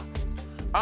あ